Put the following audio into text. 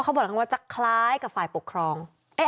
บอกแล้วว่าจะคล้ายกับฝ่ายปกครอง